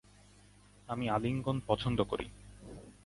আমি আলিঙ্গন পছন্দ করি।